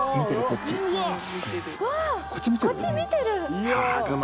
こっち見てる？